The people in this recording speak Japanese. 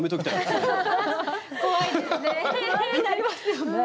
不安になりますよね。